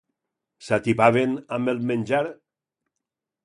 S'atipaven amb el menjar?